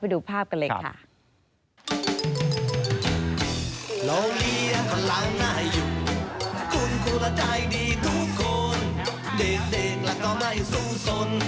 เด็กแล้วก็ไม่สู้สน